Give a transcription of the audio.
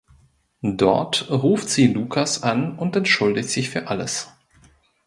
Dort ruft sie Lukas an und entschuldigt sich für alles.